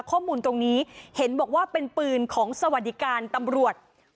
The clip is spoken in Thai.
ข้อมูลตรงนี้เห็นบอกว่าเป็นปืนของสวัสดิการตำรวจ